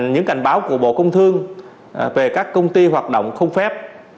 những cảnh báo của bộ công thương về các công ty hoạt động không phép